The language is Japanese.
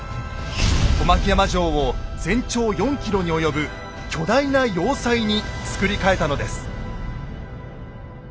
小牧山城を全長４ｋｍに及ぶ巨大な要塞に造り替えたのです。